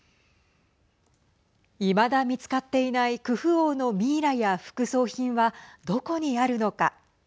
いまだ見つかっていないクフ王のミイラや副葬品は、どこにあるのか。